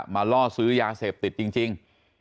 ล่อซื้อยาเสพติดจริง